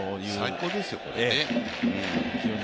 最高ですよね、これね。